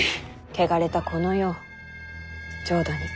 汚れたこの世を浄土に。